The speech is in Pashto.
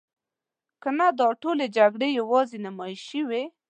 کنه دا ټولې جګړې یوازې نمایشي وي.